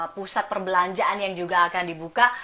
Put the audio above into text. pusat perbelanjaan yang juga akan dibuka